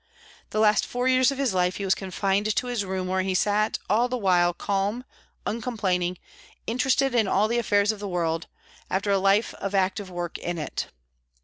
The last four years of his life he was confined to his room, where he sat all the while calm, uncomplaining, interested in all the affairs of the world, after a life of active work in it.